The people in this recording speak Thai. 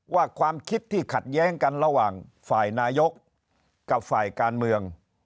ความคิดที่ขัดแย้งกันระหว่างฝ่ายนายกกับฝ่ายการเมือง